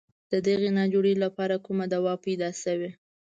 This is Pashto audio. د دغې ناجوړې لپاره کومه دوا پیدا شوې.